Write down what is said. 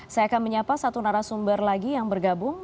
saya akan menyapa satu narasumber lagi yang bergabung